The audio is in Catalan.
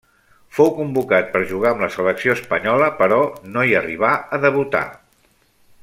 Fou convocat per jugar amb la selecció espanyola però no hi arribà a debutar.